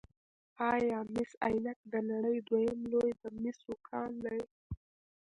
آیا مس عینک د نړۍ دویم لوی د مسو کان دی؟